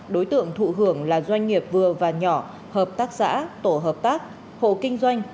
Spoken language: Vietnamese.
đối tượng thụ hưởng là doanh nghiệp vừa và nhỏ hợp tác xã tổ hợp tác hộ kinh doanh